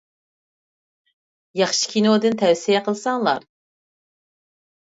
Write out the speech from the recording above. ياخشى كىنودىن تەۋسىيە قىلساڭلار.